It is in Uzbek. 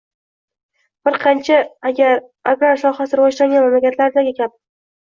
Bir qancha agrar sohasi rivojlangan mamlakatlardagi kabi.